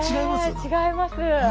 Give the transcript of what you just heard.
違います。